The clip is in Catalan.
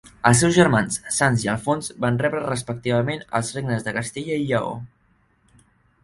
Els seus germans Sanç i Alfons van rebre respectivament els regnes de Castella i Lleó.